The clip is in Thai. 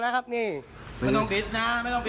แล้วตอนนี้มันยุดจากนี้